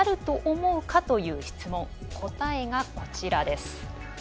答えがこちらです。